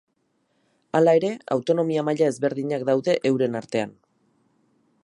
Hala ere autonomia maila ezberdinak daude euren artean.